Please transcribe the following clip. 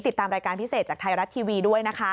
ติดตามรายการพิเศษจากไทยรัฐทีวีด้วยนะคะ